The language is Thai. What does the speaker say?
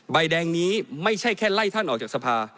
ใบแดงนี้ไม่ใช่แค่ไล่ท่านออกจากสภา